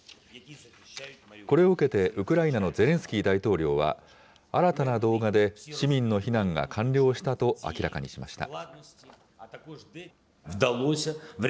これを受けて、ウクライナのゼレンスキー大統領は、新たな動画で市民の避難が完了したと明らかにしました。